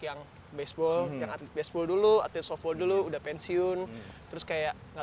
yang baseball yang atlet baseball dulu atlet soft dulu udah pensiun terus kayak